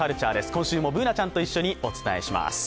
今週もＢｏｏｎａちゃんと一緒にお伝えします。